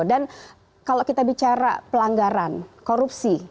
dan kalau kita bicara pelanggaran korupsi